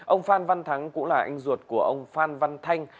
ông phan văn thắng cũng là anh ruột của ông phan văn thanh